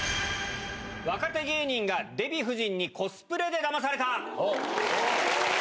若手芸人がデヴィ夫人にコスプレでだまされた！